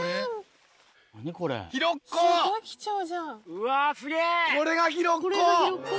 うわすげぇ。